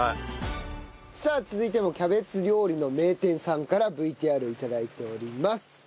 さあ続いてもキャベツ料理の名店さんからＶＴＲを頂いております。